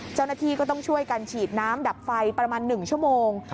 เจ้าหน้าที่ก็ต้องช่วยกันฉีดน้ำดับไฟประมาณ๑ชั่วโมง